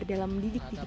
yang memiliki alatb